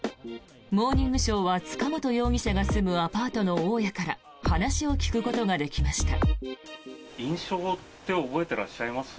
「モーニングショー」は塚本容疑者が住むアパートの大家から話を聞くことができました。